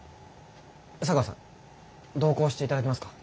茶川さん同行していただけますか？